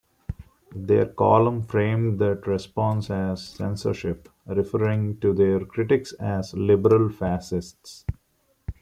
Their column framed that response as censorship, referring to their critics as "liberal fascists".